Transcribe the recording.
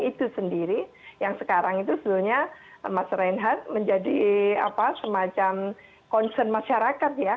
itu sendiri yang sekarang itu sebenarnya mas reinhardt menjadi semacam concern masyarakat ya